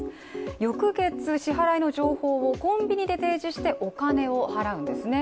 翌月、支払いの情報をコンビニで提示してお金を払うんですね。